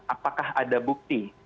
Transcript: apakah ada bukti